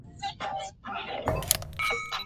在根宝足校时他通常司职中前卫或者后腰。